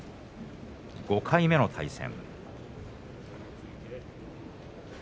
５回目の対戦。